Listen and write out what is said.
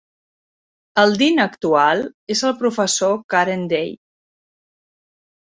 El Dean actual és el Professor Karen Day.